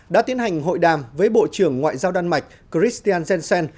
đã tiến hành hội đàm với bộ trưởng ngoại giao đan mạch christian jensen